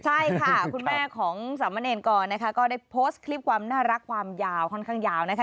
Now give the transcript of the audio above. ใช่ค่ะคุณแม่ของสามเณรกรนะคะก็ได้โพสต์คลิปความน่ารักความยาวค่อนข้างยาวนะคะ